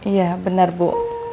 iya benar bu